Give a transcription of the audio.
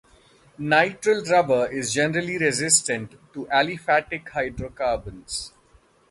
Nitrile rubber is generally resistant to aliphatic hydrocarbons.